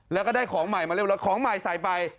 แล้วก็ได้ของใหม่มาเรียบร้อยของใหม่ใส่ไป